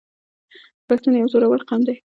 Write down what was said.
پښتون یو زړور قوم دی.